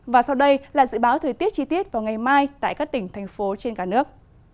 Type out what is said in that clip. và sau đây là dự báo thời tiết chi tiết vào ngày mai tại các tỉnh thành phố trên cả nước